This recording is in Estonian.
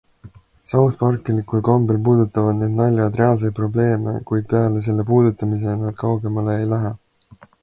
Southparkilikul kombel puudutavad need naljad reaalseid probleeme, kuid peale selle puudutamise nad kaugemale ei lähe.